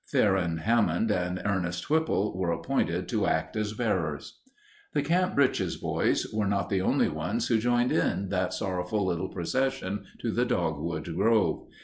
Theron Hammond and Ernest Whipple were appointed to act as bearers. The Camp Britches boys were not the only ones who joined in that sorrowful little procession to the dogwood grove.